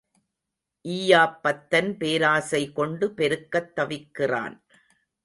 ஈயாப் பத்தன் பேராசை கொண்டு பெருக்கத் தவிக்கிறான்.